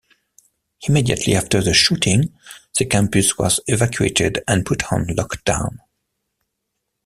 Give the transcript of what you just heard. Immediately after the shooting, the campus was evacuated and put on lockdown.